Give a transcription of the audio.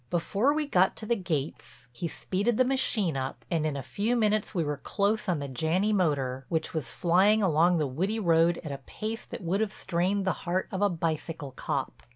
Before we got to the gates he speeded the machine up and in a few minutes we were close on the Janney motor which was flying along the woody road at a pace that would have strained the heart of a bicycle cop.